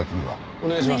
お願いします。